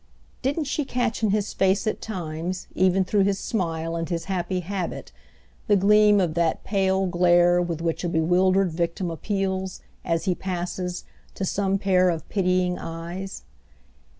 Didn't she catch in his face at times, even through his smile and his happy habit, the gleam of that pale glare with which a bewildered victim appeals, as he passes, to some pair of pitying eyes?